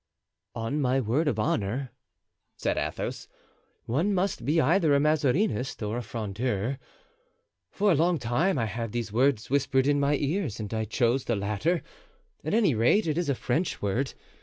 "On my word of honor," said Athos, "one must be either a Mazarinist or a Frondeur. For a long time I had these words whispered in my ears, and I chose the latter; at any rate, it is a French word.